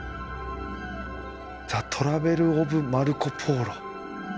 「ザトラベルオブマルコ・ポーロ」。